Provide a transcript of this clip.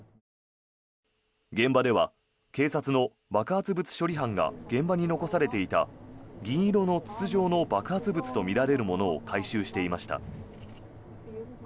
現場では警察の爆発物処理班が現場に残されていた銀色の筒状の爆発物とみられるものを回収していました。